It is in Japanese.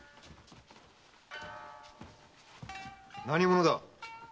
何者だ？